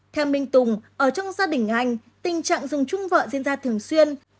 theo minh tùng ở trong gia đình anh tình trạng dùng chung vợ diễn ra thường xuyên